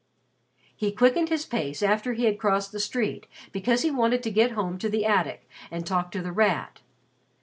He quickened his pace after he had crossed the street, because he wanted to get home to the attic and talk to The Rat.